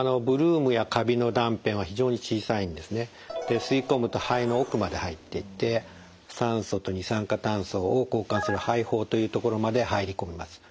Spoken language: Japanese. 吸い込むと肺の奥まで入っていって酸素と二酸化炭素を交換する肺胞というところまで入り込みます。